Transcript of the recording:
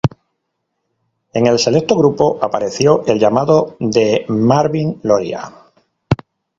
En el selecto grupo apareció el llamado de Marvin Loría.